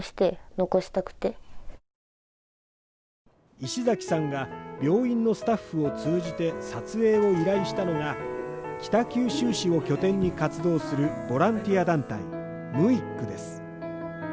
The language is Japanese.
石崎さんが病院のスタッフを通じて撮影を依頼したのが北九州市を拠点に活動するボランティア団体、ｍｕｉｋｋｕです。